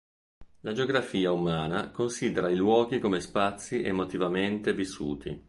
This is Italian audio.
La geografia umana considera i "luoghi" come spazi emotivamente vissuti.